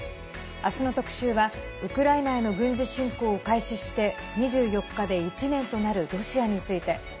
明日の特集は、ウクライナへの軍事侵攻を開始して２４日で１年となるロシアについて。